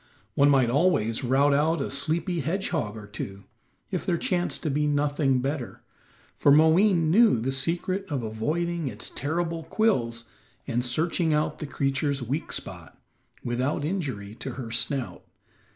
One might always rout out a sleepy hedgehog or two, if there chanced to be nothing better, for Moween knew the secret of avoiding its terrible quills and searching out the creature's weak spot, without injury to her own snout.